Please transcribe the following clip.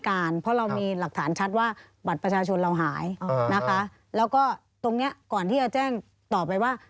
ก่อนที่จะแจ้งต่อไปว่า